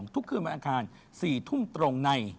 ทุกคืนวันอังคาร๔ทุ่มตรงใน